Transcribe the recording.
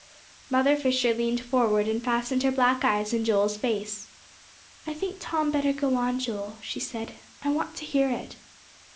Mother Fisher leaned forward, and fastened her black eyes on Joel's face. "I think Tom better go on, Joel," she said. "I want to hear it."